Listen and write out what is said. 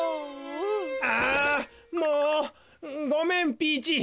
ああもうごめんピーチー。